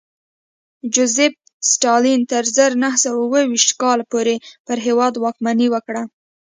جوزېف ستالین تر زر نه سوه اوه ویشت کال پورې پر هېواد واکمني وکړه